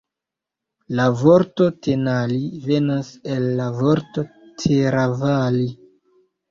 La vorto Tenali venas el la vorto Teravali.